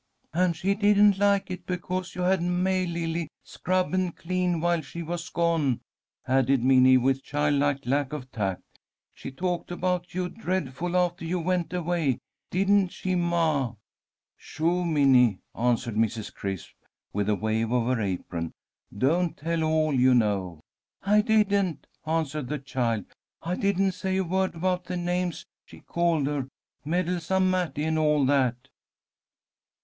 "And she didn't like it because you had May Lily scrub and clean while she was gone," added Minnie, with childlike lack of tact. "She talked about you dreadful after you went away. Didn't she, ma?" "Shoo, Minnie!" answered Mrs. Crisp, with a wave of her apron. "Don't tell all you know." "I didn't," answered the child. "I didn't say a word about the names she called her, meddlesome Matty, and all that."